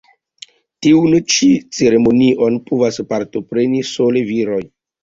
Tiun ĉi ceremonion povas partopreni sole viroj.